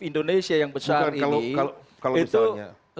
indonesia yang besar ini